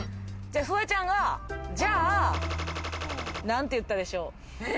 フワちゃんが、じゃあ、何て言ったでしょう？